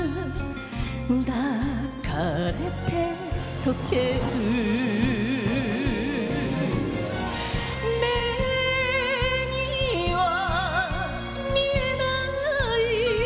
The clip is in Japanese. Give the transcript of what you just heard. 抱かれて溶ける目にはみえない